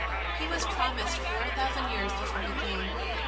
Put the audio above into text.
He was promised four thousand years before He came.